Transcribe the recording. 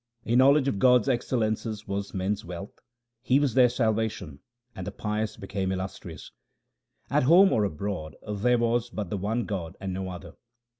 A knowledge of God's excellences was men's wealth ; He was their salvation, and the pious became illustrious. At home or abroad there was but the one God and no other.